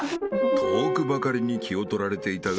［遠くばかりに気を取られていたが］